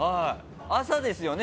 朝ですよね？